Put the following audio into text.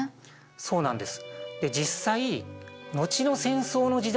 そうなんです。